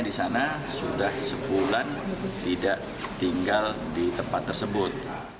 di sana sudah sebulan tidak tinggal di tempat tersebut